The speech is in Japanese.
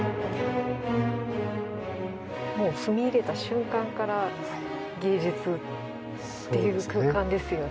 もう踏み入れた瞬間から芸術っていう空間ですよね。